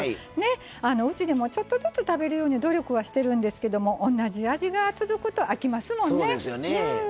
うちでもちょっとずつ食べるように努力はしてるんですけど同じ味が続くと飽きますからね。